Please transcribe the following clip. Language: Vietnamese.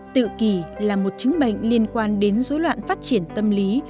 tự kỳ là một chứng bệnh liên quan đến rối loạn phát triển tâm lý